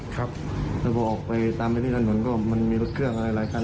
ครับแล้วพอออกไปตามไปที่ถนนก็มันมีรถเครื่องอะไรหลายคัน